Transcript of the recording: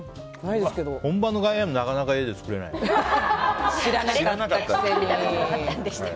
本場のガイヤーンなかなか家で作れないよ。